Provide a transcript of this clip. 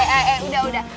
eh eh eh udah udah